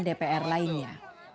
kepimpinan dpr lainnya